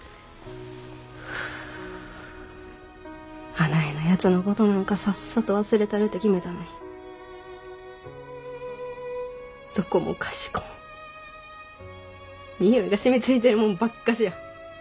あないなやつのことなんかさっさと忘れたるて決めたのにどこもかしこも匂いが染みついてるもんばっかしや。